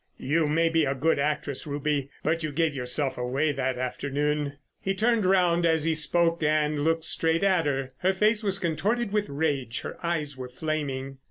You may be a good actress, Ruby, but you gave yourself away that afternoon." He turned round as he spoke and looked straight at her. Her face was contorted with rage, her eyes were flaming.